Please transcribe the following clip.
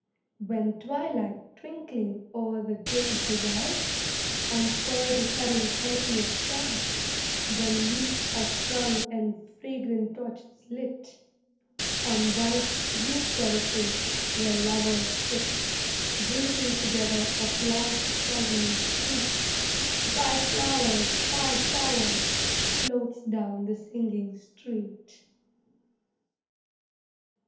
When twilight twinkling o'er the gay bazaars, Unfurls a sudden canopy of stars, When lutes are strung and fragrant torches lit On white roof terraces where lovers sit Drinking together of life's poignant sweet, BUY FLOWERS, BUY FLOWERS, floats down the singing street.